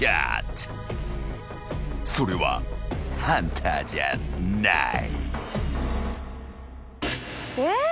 ［それはハンターじゃない］えっ？